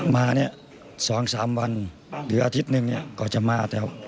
มาเนี่ย๒๓วันหรืออาทิตย์หนึ่งก็จะมาแล้ว